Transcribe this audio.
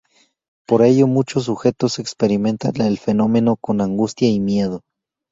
Por ello muchos sujetos experimentan el fenómeno con angustia y miedo.